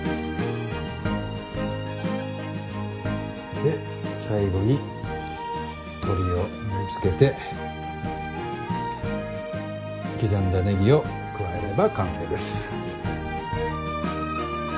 で最後に鶏を盛り付けて刻んだネギを加えれば完成です。